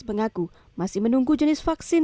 mengaku masih menunggu jenis vaksin